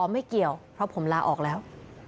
ไม่เกี่ยวเพราะผมลาออกแล้ว